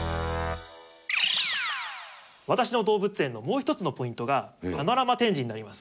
私の動物園のもう一つのポイントがパノラマ展示になります。